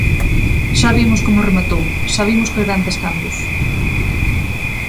Xa vimos como rematou, xa vimos que grandes cambios.